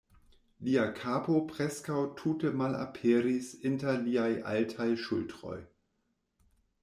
Lia kapo preskaŭ tute malaperis inter liaj altaj ŝultroj.